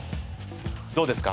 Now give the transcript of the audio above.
どうですか？